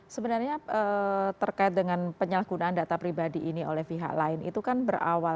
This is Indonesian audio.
sebenarnya terkait dengan penyalahgunaan data pribadi ini oleh pihak lain itu kan berawal